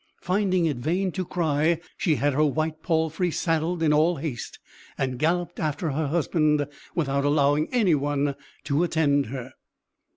Finding it vain to cry, she had her white palfrey saddled in all haste, and galloped after her husband, without allowing anyone to attend her.